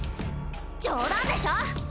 冗談でしょ！